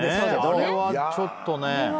あれはちょっとね。